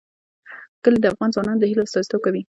کلي د افغان ځوانانو د هیلو استازیتوب کوي.